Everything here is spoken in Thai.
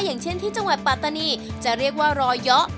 อย่างเช่นที่จังหวัดปัตตานีจะเรียกว่ารอยเยอะ